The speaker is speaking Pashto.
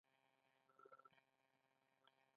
ملا ورته وویل چې دا سرکوزی دې حلال کړای شي.